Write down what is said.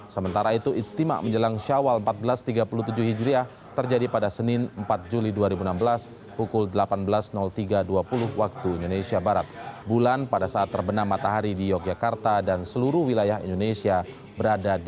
sementara itu ijtima menjelang syawal seribu empat ratus tiga puluh tujuh hijriah terjadi pada senin empat juli dua ribu enam belas pukul delapan belas tiga wib